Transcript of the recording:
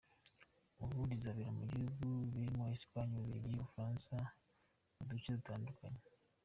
Ubu, rizabera mu bihugu birimo Espagne, u Bubiligi n’u Bufaransa mu duce dutandukanye.